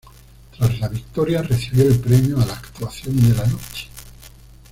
Tras la victoria, recibió el premio a la "Actuación de la Noche".